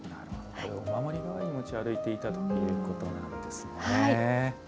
お守り代わりに持ち歩いていたということなんですね。